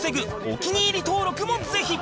お気に入り登録もぜひ！